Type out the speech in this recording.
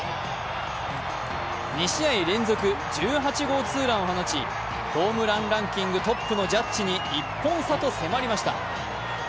２試合連続、１８号ツーランを放ちホームランランキングトップのジャッジに１本差と迫りました。